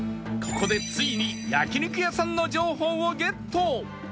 ここでついに焼肉屋さんの情報をゲット